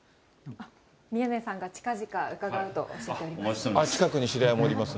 宮根さんが近々伺うとおっしゃっています。